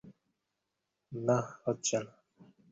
নাহ, হচ্ছে না।